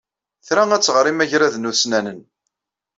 Tra ad tɣer imagraden ussnanen.